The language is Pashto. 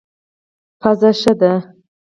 پزه ښه ده.